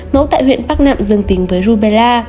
mẫu tại huyện bắc nậm dương tính với rubella